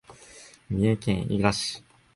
三重県伊賀市